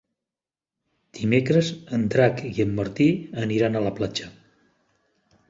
Dimecres en Drac i en Martí aniran a la platja.